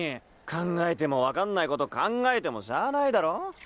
考えても分かんないこと考えてもしゃないだろ？